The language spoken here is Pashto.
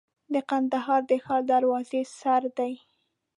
د کندهار د ښار دروازې سره دی.